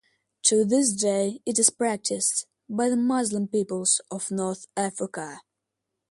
To this day it is practiced by the Muslim peoples of North Africa.